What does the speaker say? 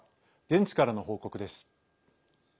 現地からの報告です。